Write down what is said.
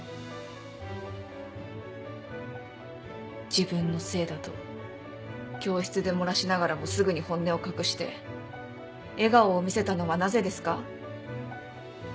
「自分のせいだ」と教室で漏らしながらもすぐに本音を隠して笑顔を見せたのはなぜですか？